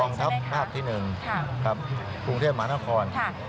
ฟองทัพภาพที่๑ครับภูเวียนมหาธนธรรม